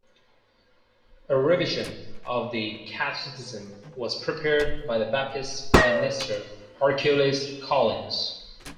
A revision of the catechism was prepared by the Baptist minister, Hercules Collins.